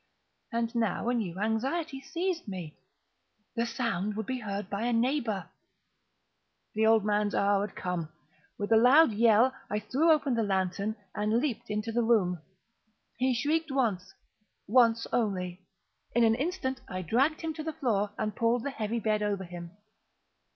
And now a new anxiety seized me—the sound would be heard by a neighbour! The old man's hour had come! With a loud yell, I threw open the lantern and leaped into the room. He shrieked once—once only. In an instant I dragged him to the floor, and pulled the heavy bed over him.